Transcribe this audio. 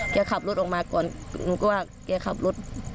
แกขับรถออกมาก่อนหนูก็ว่าแกขับรถ